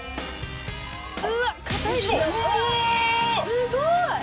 すごい！